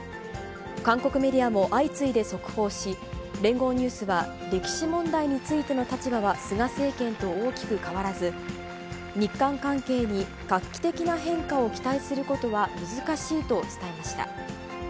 韓国メディアも相次いで速報し、聯合ニュースは、歴史問題についての立場は菅政権と大きく変わらず、日韓関係に画期的な変化を期待することは難しいと伝えました。